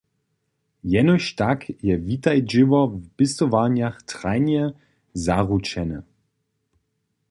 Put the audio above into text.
Jenož tak je Witaj-dźěło w pěstowarnjach trajnje zaručene.